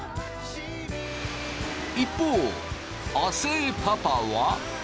一方亜生パパは。